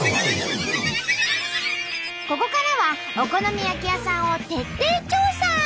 ここからはお好み焼き屋さんを徹底調査！